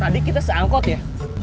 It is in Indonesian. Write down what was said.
tadi kita se angkot ya